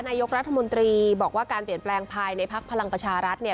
นายกรัฐมนตรีบอกว่าการเปลี่ยนแปลงภายในพักพลังประชารัฐเนี่ย